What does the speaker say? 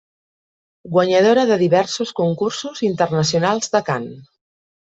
Guanyadora de diversos concursos internacionals de cant.